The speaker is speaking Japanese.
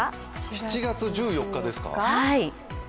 ７月１４日ですか？